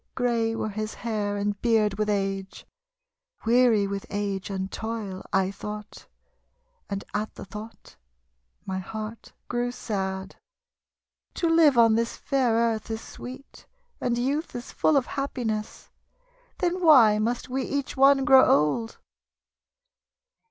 Grey were his hair and beard with age. Weary with age and toil, I tho't, And at the tho't my heart grew sad. "To live on this fair earth is sweet, And youth is full of happiness. Then why must wc each one grow old?"